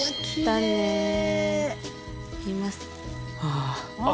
ああ。